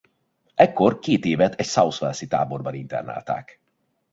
Ekkor két évet egy South Wales-i táborban internálták.